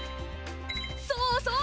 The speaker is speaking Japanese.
そうそう！